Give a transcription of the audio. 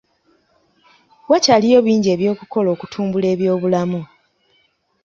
Wakyaliyo bingi eby'okukola okutumbula ebyobulamu.